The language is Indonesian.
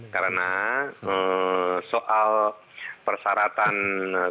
karena soal persyaratan kepengurusan kesehatan dan kemampuan